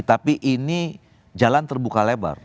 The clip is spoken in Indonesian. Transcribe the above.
tapi ini jalan terbuka lebar